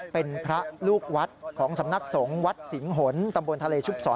เป็นพระลูกวัดของสำนักสงฆ์วัดสิงหนตำบลทะเลชุบสอ